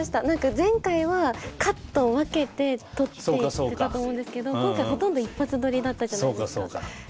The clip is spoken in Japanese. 何か前回はカットを分けて撮っていってたと思うんですけど今回ほとんど一発撮りだったじゃないですか。